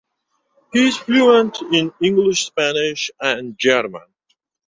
He is fluent in English Spanish and German.